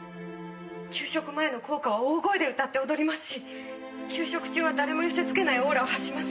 給食前の校歌は大声で歌って踊りますし給食中は誰も寄せ付けないオーラを発します。